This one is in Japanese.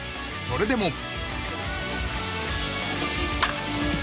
それでも。